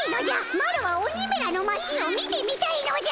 マロは鬼めらの町を見てみたいのじゃ！